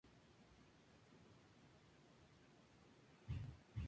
Su hábitat natural son las zonas de meseta abiertas dominadas por plantas herbáceas.